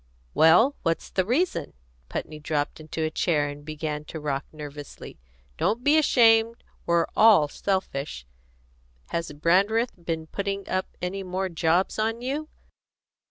"Well, what's the reason?" Putney dropped into a chair and began to rock nervously. "Don't be ashamed: we're all selfish. Has Brandreth been putting up any more jobs on you?"